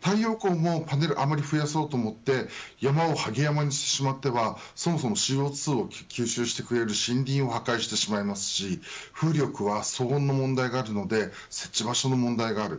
太陽光もパネルを増やすと山をはげ山にしてしまってはＣＯ２を吸収してくれる森林を破壊してしまいますし風力は騒音の問題があるので設置場所にも問題があります。